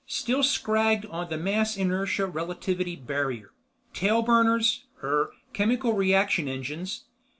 "Still scragged on the mass inertia relativity barrier. Tailburners ... er, chemical reaction engines.